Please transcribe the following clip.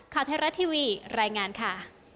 คาวเทราสตร์ทีวีรายงานค่ะ